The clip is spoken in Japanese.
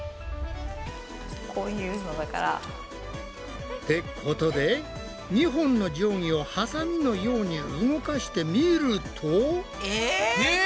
こういうのだから。ってことで２本の定規をハサミのように動かしてみると。え！